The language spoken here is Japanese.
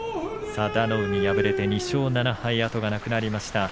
佐田の海は敗れて２勝７敗後がなくなりました。